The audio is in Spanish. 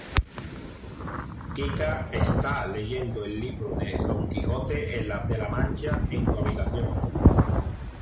Kika está leyendo el libro de Don Quijote de la Mancha en su habitación.